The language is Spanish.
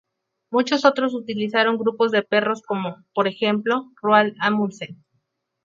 Muchos otros utilizaron grupos de perros como, por ejemplo, Roald Amundsen.